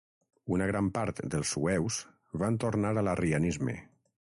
Una gran part dels sueus van tornar a l'arrianisme.